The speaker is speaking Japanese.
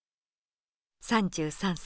３３歳。